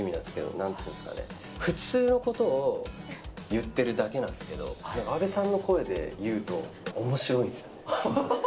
なんというんですかね、普通のことを言ってるだけなんですけど、阿部さんの声で言うとおもしろいんですよ。